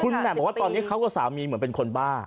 แหม่มบอกว่าตอนนี้เขากับสามีเหมือนเป็นคนบ้า